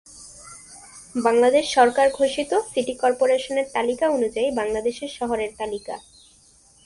বাংলাদেশ সরকার ঘোষিত সিটি কর্পোরেশনের তালিকা অনুযায়ী বাংলাদেশের শহরের তালিকা।